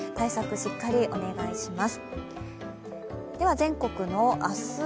しっかりお願いします。